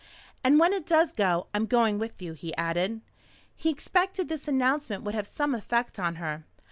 "And when it does go I'm going with you," he added. He expected this announcement would have some effect on her.